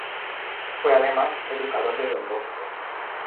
Fue además educador de Don Bosco.